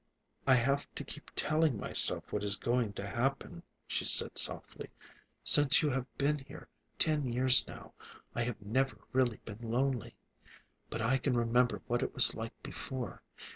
"I have to keep telling myself what is going to happen," she said softly. "Since you have been here, ten years now, I have never really been lonely. But I can remember what it was like before.